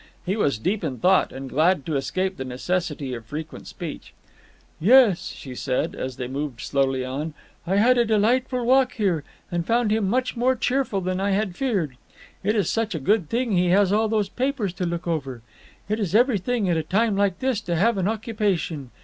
He was deep in thought, and glad to escape the necessity of frequent speech. "Yes," she said, as they moved slowly on, "I had a delightful walk here, and found him much more cheerful than I had feared. It is such a good thing he has all those papers to look over. It is everything, at a time like this, to have an occupation.